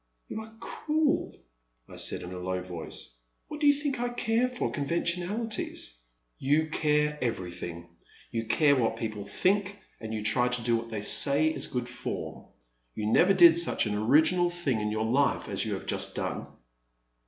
You are cruel," I said, in a low voice —" what do you think I care for conventionalities "You care everything, — ^you care what people think, and you try to do what they say is good 374 The Man at the Next Table. 375 fonn. You never did such an original thing in your life as you have just done.